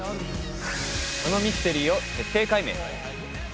そのミステリーを徹底解明！